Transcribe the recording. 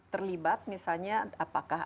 terlibat misalnya apakah